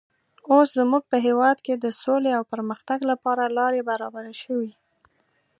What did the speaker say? اوس زموږ په هېواد کې د سولې او پرمختګ لپاره لارې برابرې شوې.